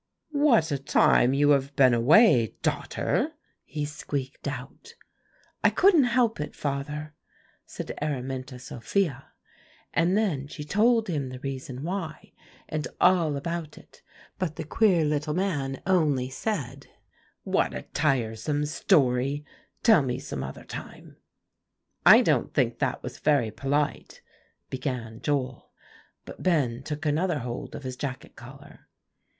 'What a time you have been away, daughter,' he squeaked out. "'I couldn't help it, father,' said Araminta Sophia; and then she told him the reason why and all about it; but the queer little man only said, 'What a tiresome story; tell me some other time.'" "I don't think that was very polite," began Joel, but Ben took another hold of his jacket collar.